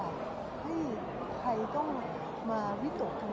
ว่าพี่โต้เป็นยังไงบ้างพี่โต้เป็นยังไง